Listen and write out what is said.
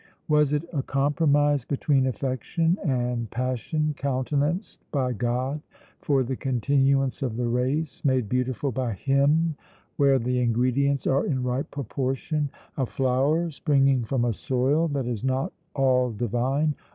Was it a compromise between affection and passion countenanced by God for the continuance of the race, made beautiful by Him where the ingredients are in right proportion, a flower springing from a soil that is not all divine?